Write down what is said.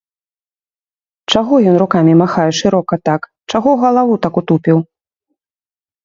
Чаго ён рукамі махае шырока так, чаго галаву так утупіў?